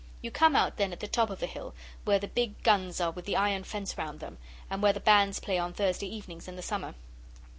You come out then at the top of the hill, where the big guns are with the iron fence round them, and where the bands play on Thursday evenings in the summer.